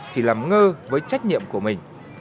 thì lắm ngơ với trách nhiệm của mình